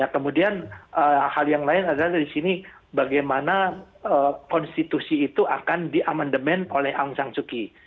kemudian hal yang lain adalah di sini bagaimana konstitusi itu akan diamandemen oleh aung san suu kyi